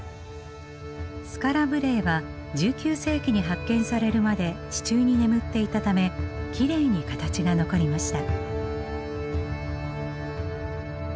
スカラ・ブレエは１９世紀に発見されるまで地中に眠っていたためきれいに形が残りました。